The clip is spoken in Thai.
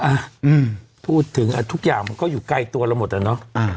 อ่าอืมพูดถึงอ่ะทุกอย่างมันก็อยู่ใกล้ตัวเราหมดแล้วเนอะอ่า